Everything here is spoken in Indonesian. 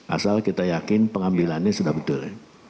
asal kita yakin pengambilannya sudah betul